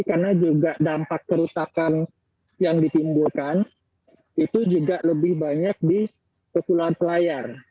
karena juga dampak kerusakan yang ditimbulkan itu juga lebih banyak di kepulauan selayar